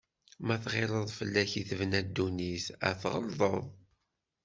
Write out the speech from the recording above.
Ma tɣileḍ fell-ak i tebna dunnit, a tɣelḍeḍ.